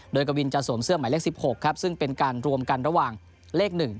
โดยกวินจะสวมเสื้อหมายเลข๑๖ครับซึ่งเป็นการรวมกันระหว่างเลข๑